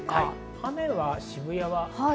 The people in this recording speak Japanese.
雨は渋谷は。